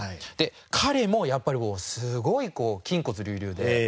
彼もやっぱりすごい筋骨隆々で。